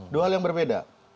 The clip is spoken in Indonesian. dua hal yang berbeda